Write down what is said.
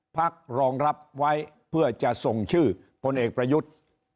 พักรองรับไว้เพื่อจะส่งชื่อพลเอกประยุทธ์